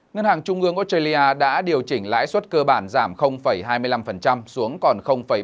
ngân hàng trung ương australia đã điều chỉnh lãi suất cơ bản giảm hai mươi năm xuống còn bảy mươi